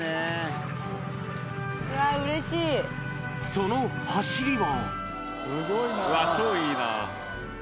その走りは。